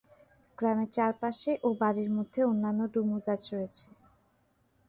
গ্রামের চারপাশে ও বাড়ির মধ্যে অন্যান্য ডুমুর গাছ রয়েছে।